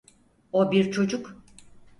O bir çocuk.